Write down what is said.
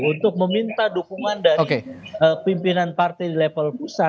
untuk meminta dukungan dari pimpinan partai di level pusat